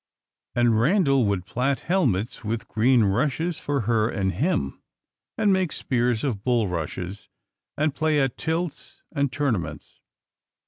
And Randal would plait helmets with green rushes for her and him, and make spears of bulrushes, and play at tilts and tournaments.